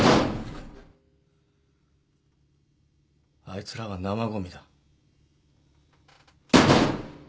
あいつらは生ゴミだ。